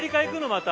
また。